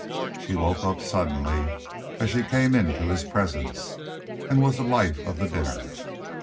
She woke up suddenly as she came into his presence, and was the life of the dinner.